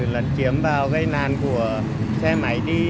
lần chiếm vào cái làn của xe máy đi